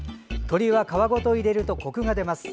鶏は皮ごと入れるとこくが出ます。